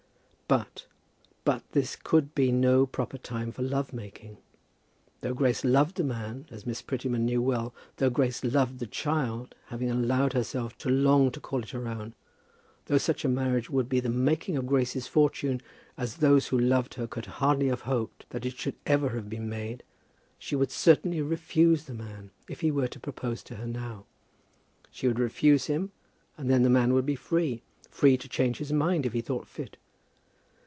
But, but, this could be no proper time for love making. Though Grace loved the man, as Miss Prettyman knew well, though Grace loved the child, having allowed herself to long to call it her own, though such a marriage would be the making of Grace's fortune as those who loved her could hardly have hoped that it should ever have been made, she would certainly refuse the man, if he were to propose to her now. She would refuse him, and then the man would be free; free to change his mind if he thought fit.